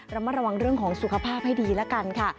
ระมัดระวังเรื่องของสุขภาพให้ดีแล้วกันค่ะ